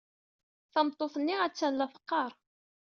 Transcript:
Tameṭṭut-nni attan la teqqar.